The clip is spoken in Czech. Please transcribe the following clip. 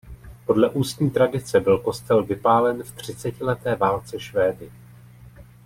Podle ústní tradice byl kostel vypálen v třicetileté válce Švédy.